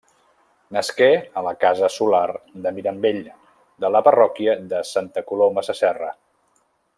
Nasqué a la casa Solar de Mirambell de la parròquia de Santa Coloma Sasserra.